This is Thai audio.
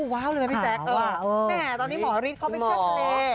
ว้าวเลยนะพี่แจ๊คแม่ตอนนี้หมอฤทธิเขาไปเที่ยวทะเล